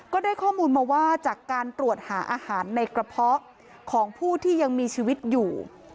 ก็ได้ข้อมูลมาว่าจากการตรวจหาอาหารในกระเพาะของผู้ที่ยังมีชีวิตอยู่